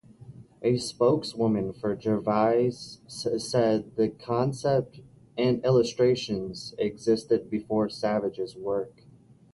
A spokeswoman for Gervais said the concept and illustrations existed before Savage's work.